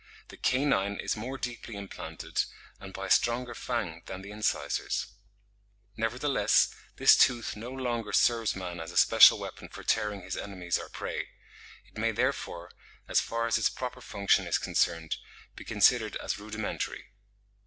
The canine is more deeply implanted, and by a stronger fang than the incisors." Nevertheless, this tooth no longer serves man as a special weapon for tearing his enemies or prey; it may, therefore, as far as its proper function is concerned, be considered as rudimentary.